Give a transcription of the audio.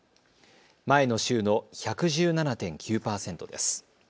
前の週の１１７．９％です。